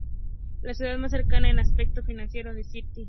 La ciudad más cercana, en aspecto financiero es Sri City.